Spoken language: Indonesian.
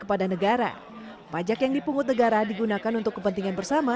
pada negara pajak yang dipungut negara digunakan untuk kepentingan bersama